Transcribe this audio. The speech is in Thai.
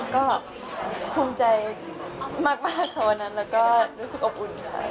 ก็ภูมิใจมากค่ะวันนั้นแล้วก็รู้สึกอบอุ่นค่ะ